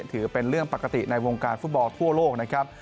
ถือเป็นเรื่องปกติในวงการฟุตบอลทั่วโลกนะครับ